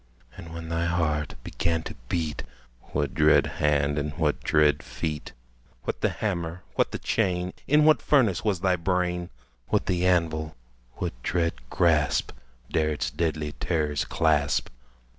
And, when thy heart began to beat, What dread hand and what dread feet? What the hammer? what the chain? In what furnace was thy brain? What the anvil? what dread grasp Dare its deadly terrors clasp?